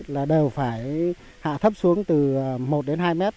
là đều phải hạ thấp xuống từ một đến hai mét